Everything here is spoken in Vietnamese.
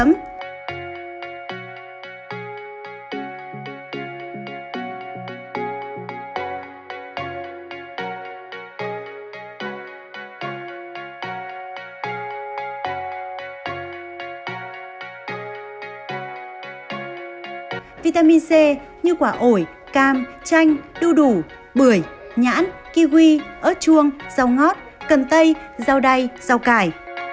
nhóm vitamin c cũng có trong gan động vật các loại rau trắng trắng xanh xấm